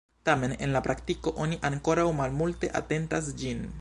Tamen en la praktiko oni ankoraŭ malmulte atentas ĝin.